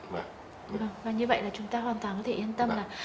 vâng và như vậy là chúng ta hoàn toàn có thể yên tâm là